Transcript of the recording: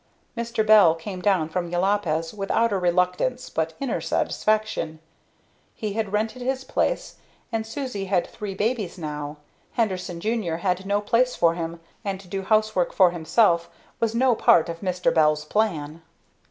Mr. Bell came down from Jopalez with outer reluctance but inner satisfaction. He had rented his place, and Susie had three babies now. Henderson, Jr., had no place for him, and to do housework for himself was no part of Mr. Bell's plan.